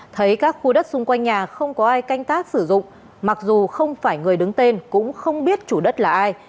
thấy các khu đất xung quanh nhà không có ai canh tác sử dụng mặc dù không phải người đứng tên cũng không biết chủ đất là ai